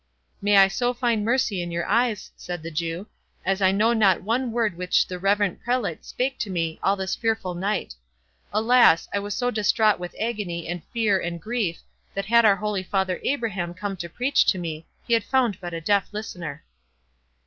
"May I so find mercy in your eyes," said the Jew, "as I know not one word which the reverend prelate spake to me all this fearful night. Alas! I was so distraught with agony, and fear, and grief, that had our holy father Abraham come to preach to me, he had found but a deaf listener."